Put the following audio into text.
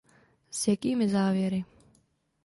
S jakými závěry?